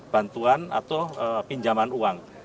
bantuan atau pinjaman uang